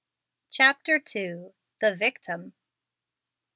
CHAPTER II. THE VICTIM.